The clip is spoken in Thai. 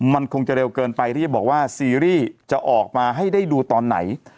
มันคงจะเร็วเกินไปที่จะบอกว่าซีรีส์จะออกมาให้ได้ดูตอนไหน